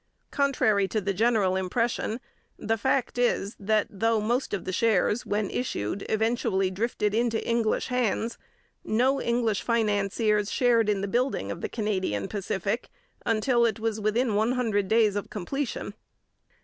Contrary to the general impression, the fact is, that though most of the shares when issued eventually drifted into English hands, no English financiers shared in the building of the Canadian Pacific until it was within one hundred days of completion.